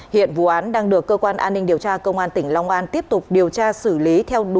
hiện vụ án đang được cơ quan an ninh điều tra công an tỉnh long an tiếp tục điều tra xử lý theo đúng